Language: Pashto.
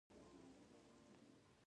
دوی انتخابات تنظیموي.